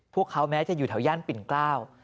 พวกเขาแม้จะอยู่แถวย่านปิ่นเกล้า